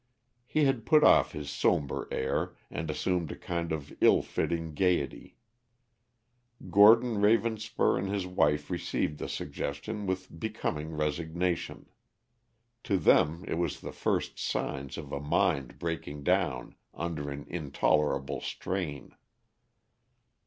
He had put off his somber air, and assumed a kind of ill fitting gayety. Gordon Ravenspur and his wife received the suggestion with becoming resignation. To them it was the first signs of a mind breaking down under an intolerable strain.